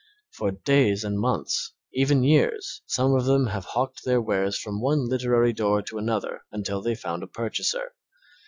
For days and months, and even years, some of them have hawked their wares from one literary door to another until they found a purchaser.